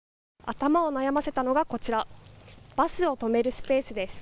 頭を悩ませたのがこちら、バスを止めるスペースです。